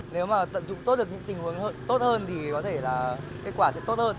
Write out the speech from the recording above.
nếu mà tận dụng tốt được những tình huống tốt hơn thì có thể là kết quả sẽ tốt hơn